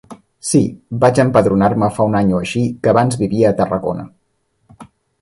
Sí, vaig empadronar-me fa un any o així, que abans vivia a Tarragona.